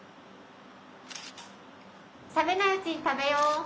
・冷めないうちに食べよう。